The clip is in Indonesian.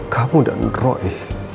kamu dan roy